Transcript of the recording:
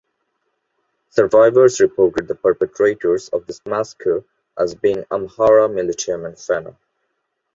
Survivors reported the perpetrators of this massacre as being Amhara militiamen (fano).